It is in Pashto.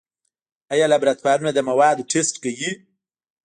آیا لابراتوارونه د موادو ټسټ کوي؟